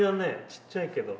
ちっちゃいけど。